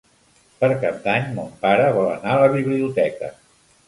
Per Cap d'Any mon pare vol anar a la biblioteca.